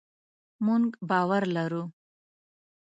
مونږ باور لرو